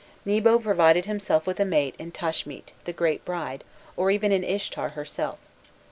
Nebo provided himself with a mate in Tashmit, the great bride, or even in Ishtar herself.